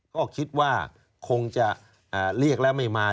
ก็คิดว่าคงจะเรียกแล้วไม่มา